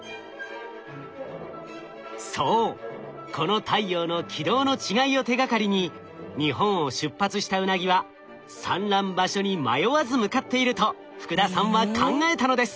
そうこの太陽の軌道の違いを手がかりに日本を出発したウナギは産卵場所に迷わず向かっていると福田さんは考えたのです。